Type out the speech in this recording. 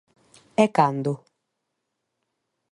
E cando?